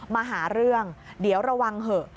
มาหาเรื่องเดี๋ยวระวังเถอะ